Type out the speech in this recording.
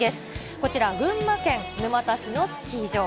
こちら、群馬県沼田市のスキー場。